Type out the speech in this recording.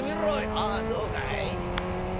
「ああそうかい」。